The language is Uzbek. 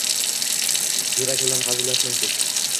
Yurak bilan hazillashmang, siz.